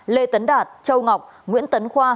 lê tấn đạt châu ngọc nguyễn tấn khoa